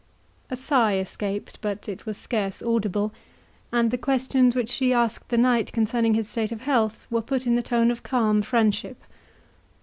A sigh escaped, but it was scarce audible; and the questions which she asked the knight concerning his state of health were put in the tone of calm friendship.